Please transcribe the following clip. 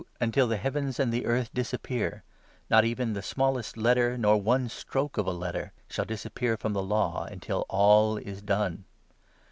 until the heavens and the earth disappear, not even the smallest letter, nor one stroke of a letter, shall disappear from the Law until all is done.